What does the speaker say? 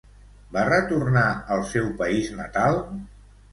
Va retornar al seu país natal?